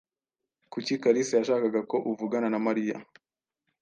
Kuki Kalisa yashakaga ko uvugana na Mariya?